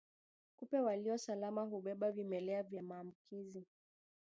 Kupe walio salama hubeba vimelea vya maambukizi